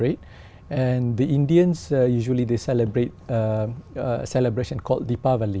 các người indian thường kỷ niệm tên là dhipavali